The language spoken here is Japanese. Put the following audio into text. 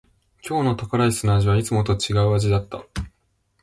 今日のタコライスの味はいつもと違う味だった。